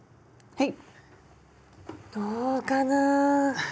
はい。